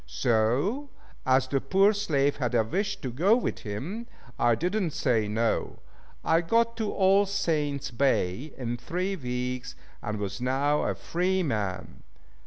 So, as the poor slave had a wish to go with him, I did not say "no." I got to All Saints' Bay in three weeks, and was now a free man.